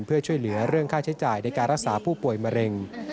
เพื่อช่วยเหลือเรื่องค่าใช้จ่ายในการรักษาผู้ป่วยมะเร็ง